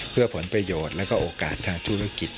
เพื่อผลประโยชน์และโอกาสทางธุรกิจ